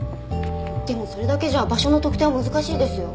でもそれだけじゃ場所の特定は難しいですよ。